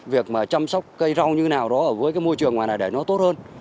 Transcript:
việc mà chăm sóc cây rau như thế nào đó ở với cái môi trường ngoài này để nó tốt hơn